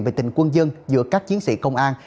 về tình quân dân giữa các chiến sĩ công an